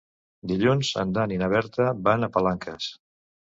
Dilluns en Dan i na Berta van a Palanques.